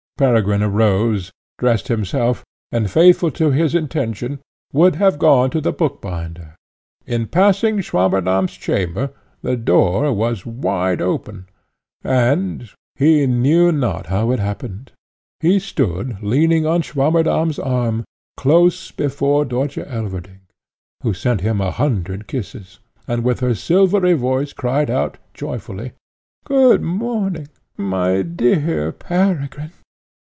Peregrine arose, dressed himself, and, faithful to his intention, would have gone to the bookbinder. In passing Swammerdamm's chamber, the door was wide open, and, he knew not how it happened, he stood, leaning on Swammerdamm's arm, close before Dörtje Elverdink, who sent him a hundred kisses, and with her silver voice cried out, joyfully, "Good morning, my dear Peregrine!"